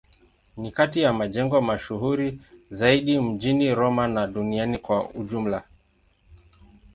Ni kati ya majengo mashuhuri zaidi mjini Roma na duniani kwa ujumla.